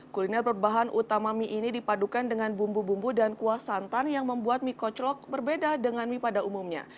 kuliner berbahan utama mie ini dipadukan dengan bumbu bumbu dan kuah santan yang membuat mie koclok berbeda dengan mie pada umumnya